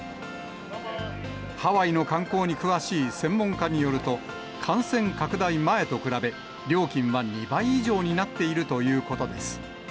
ハワイの観光に詳しい専門家によると、感染拡大前と比べ、料金は２倍以上になっているということです。